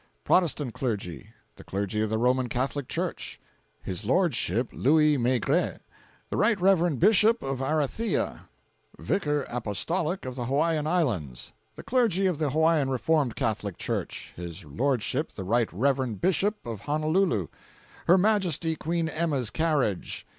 Protestant Clergy. The Clergy of the Roman Catholic Church. His Lordship Louis Maigret, The Right Rev. Bishop of Arathea, Vicar Apostolic of the Hawaiian Islands. The Clergy of the Hawaiian Reformed Catholic Church. His Lordship the Right Rev. Bishop of Honolulu. Her Majesty Queen Emma's Carriage.